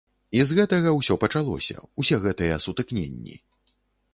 І з гэтага ўсё пачалося, усе гэтыя сутыкненні.